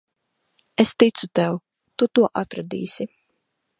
Es ticu tev. Tu to atradīsi.